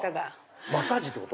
マッサージってこと？